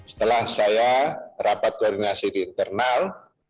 setelah saya rapat koordinasi di internal